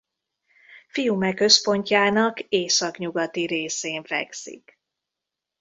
Fiume központjának északnyugati részén fekszik.